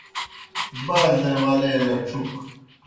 بازے ولے لڇُھک